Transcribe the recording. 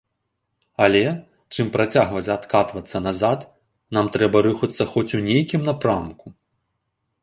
Але, чым працягваць адкатвацца назад, нам трэба рухацца хоць у нейкім напрамку.